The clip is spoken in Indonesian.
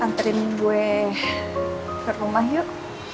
nganterin gue ke rumah yuk